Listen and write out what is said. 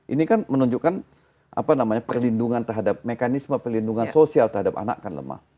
ini kan menunjukkan perlindungan terhadap mekanisme perlindungan sosial terhadap anak kan lemah